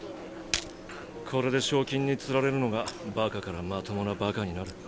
パキッこれで賞金に釣られるのがバカからまともなバカになる。